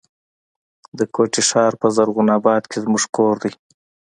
د کوټي ښار په زرغون آباد کي زموږ کور دی.